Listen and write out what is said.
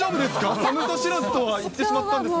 寒さ知らずとは言ってしまったんですが。